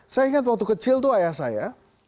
saya ingat waktu kecil itu ayah saya